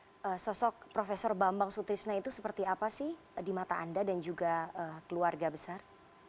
nah sosok prof bambang sutrisna itu seperti apa sih di mata anda dan juga keluarga besar